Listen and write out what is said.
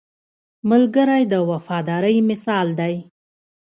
ملګری د وفادارۍ مثال دی